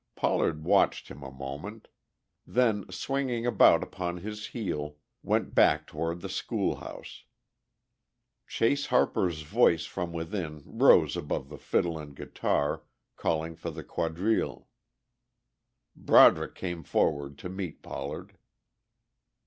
Pollard watched him a moment, then swinging about upon his heel, went back toward the school house. Chase Harper's voice from within rose above the fiddle and guitar, calling for the quadrille. Broderick came forward to meet Pollard.